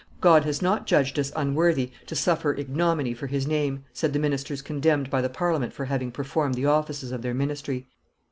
"God has not judged us unworthy to suffer ignominy for His name," said the ministers condemned by the Parliament for having performed the offices of their ministry.